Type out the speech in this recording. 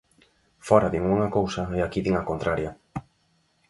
Fóra din unha cousa e aquí din a contraria.